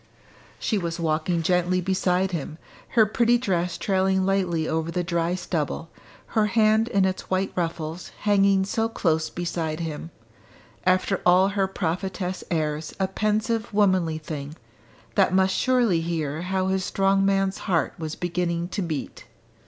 She was walking gently beside him, her pretty dress trailing lightly over the dry stubble, her hand in its white ruffles hanging so close beside him after all her prophetess airs a pensive womanly thing, that must surely hear how his strong man's heart was beginning to beat!